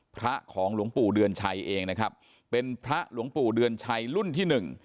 พระของหลวงปู่เดือนชัยเองนะครับเป็นพระหลวงปู่เดือนชัยรุ่นที่หนึ่ง